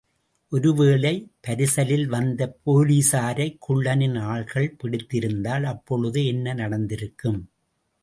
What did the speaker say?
ஒரு வேளை, பரிசலில் வந்த போலீசாரைக் குள்ளனின் ஆள்கள் பிடித்திருந்தால்...... அப்பொழுது என்ன நடந்திருக்கும்?